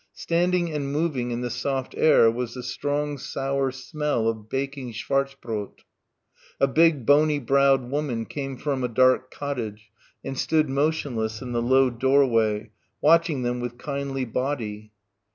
Standing and moving in the soft air was the strong sour smell of baking schwarzbrot. A big bony browed woman came from a dark cottage and stood motionless in the low doorway, watching them with kindly body.